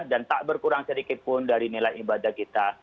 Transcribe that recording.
dan tak berkurang sedikitpun dari nilai ibadah kita